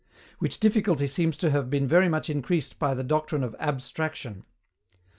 Which difficulty seems to have been very much increased by the doctrine of ABSTRACTION.